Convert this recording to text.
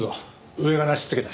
上がナシつけた。